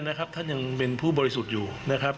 เย็นนะครับท่านยังเป็นผู้บริสุทธิ์อยู่นะครับ